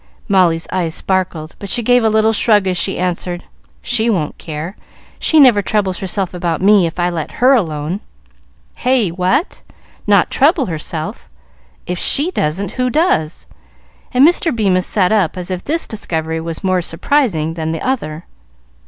Molly's eyes sparkled, but she gave a little shrug as she answered, "She won't care. She never troubles herself about me if I let her alone. "Hey? what? Not trouble herself? If she doesn't, who does?" and Mr. Bemis sat up as if this discovery was more surprising than the other.